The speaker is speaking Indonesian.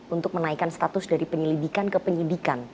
untuk menaikkan status dari penyelidikan ke penyidikan